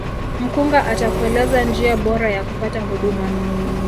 mkunga atakueleza njia bora ya kupata huduma